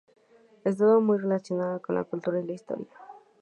Estuvo muy relacionado con la cultura y la historia.